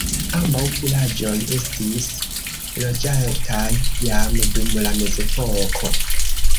Ambaŭ vilaĝoj estis loĝataj jam dum la mezepoko.